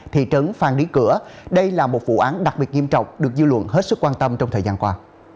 thị trấn phan lý cửa đây là một vụ án đặc biệt nghiêm trọng được dư luận hết sức quan tâm trong thời gian qua